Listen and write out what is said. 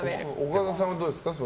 岡田さんはどうですか？